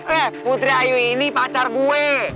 eh putri ayu ini pacar gue